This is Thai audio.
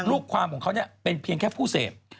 ลูกความของเขาเป็นเพียงแค่ผู้เสพ